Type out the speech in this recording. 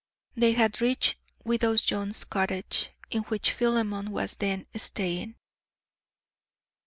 They had reached widow Jones's cottage in which Philemon was then staying.